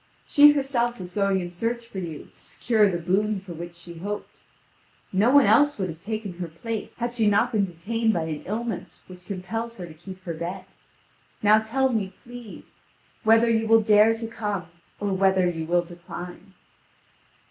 She herself was going in search for you to secure the boon for which she hoped; no one else would have taken her place, had she not been detained by an illness which compels her to keep her bed. Now tell me, please, whether you will dare to come, or whether you will decline."